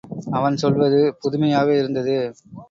அவன் சொல்வது புதுமையாக இருந்தது.